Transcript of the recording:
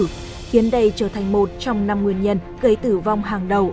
khiến đây trở thành một trong năm nguyên nhân gây tử vong hàng đầu